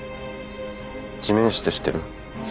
地面師って知ってる？